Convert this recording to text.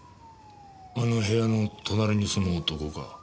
あの部屋の隣に住む男か？